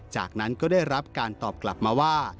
จากนั้นก็ได้รับการตอบกลับมาว่า